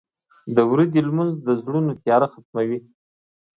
• د ورځې لمونځ د زړونو تیاره ختموي.